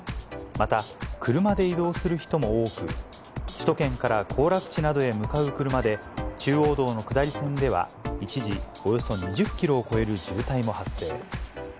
また、車で移動する人も多く、首都圏から行楽地などへ向かう車で、中央道の下り線では、一時、およそ２０キロを超える渋滞も発生。